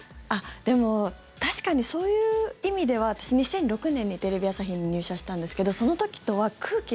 でも確かにそういう意味では私、２００６年にテレビ朝日に入社したんですけどなるほど！